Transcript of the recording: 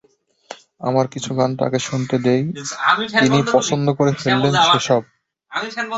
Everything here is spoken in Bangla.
আমার কিছু গান তাঁকে শুনতে দিই, তিনি পছন্দ করে ফেললেন সেসব।